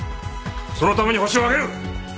そのためにホシを挙げる。